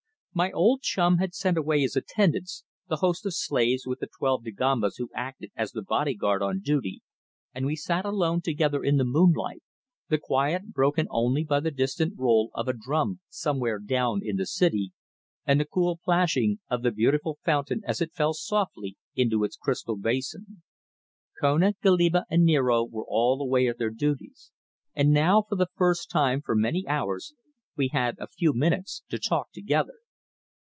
My old chum had sent away his attendants, the host of slaves with the twelve Dagombas who acted as the body guard on duty, and we sat alone together in the moonlight, the quiet broken only by the distant roll of a drum somewhere down in the city, and the cool plashing of the beautiful fountain as it fell softly into its crystal basin. Kona, Goliba and Niaro were all away at their duties, and now for the first time for many hours, we had a few minutes to talk together.